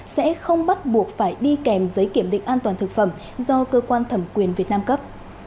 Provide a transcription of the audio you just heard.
sẽ không bắt buộc phải đi kèm giấy kiểm định an toàn thực phẩm do cơ quan thẩm quyền việt nam cấp